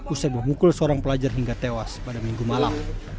usai memukul seorang pelajar hingga tewas pada minggu malam